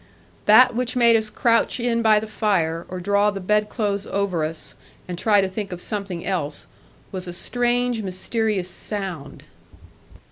That which made as crouch in by the fire, or draw the bed clothes over us, and try to think of something else, was a strange mysterious sound.